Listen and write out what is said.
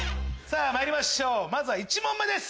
まいりましょう１問目です！